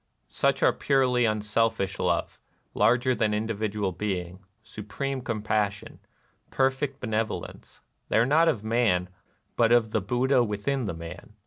Such are purely unselfish love, larger than individ ual being, — supreme compassion, — perfect benevolence : they are not of man, but of the Buddha within the man.